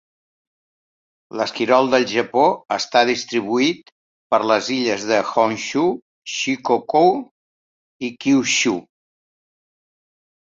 L'esquirol del Japó està distribuït per les illes de Honshu, Shikoku i Kyushu.